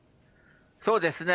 そうですね、